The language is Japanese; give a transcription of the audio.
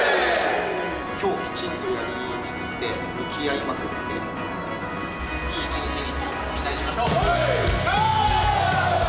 きょう、きちんとやりきって、向き合いまくって、いい一日に、みんなでしましょう。